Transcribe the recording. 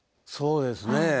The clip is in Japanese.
そうですね。